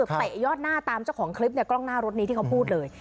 เตะยอดหน้าตามเจ้าของคลิปเนี่ยกล้องหน้ารถนี้ที่เขาพูดเลย